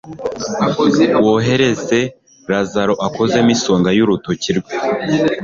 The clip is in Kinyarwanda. wohereze lazaro akozemo isonga y' urutoki rwe